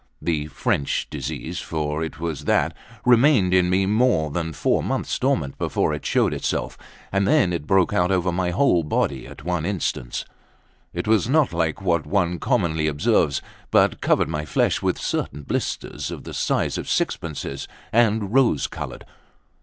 The French disease, for it was that, remained in me more than four months dormant before it showed itself, and then it broke out over my whole body at one instant. It was not like what one commonly observes, but covered my flesh with certain blisters, of the size of six pences, and rose coloured.